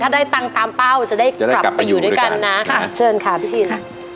ถ้าได้ตังค์ตามเป้าจะได้กลับไปอยู่ด้วยกันนะเชิญค่ะพี่ชิน